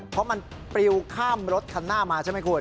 เพราะมันปลิวข้ามรถคันหน้ามาใช่ไหมคุณ